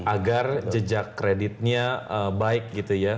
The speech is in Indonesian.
agar jejak kreditnya baik gitu ya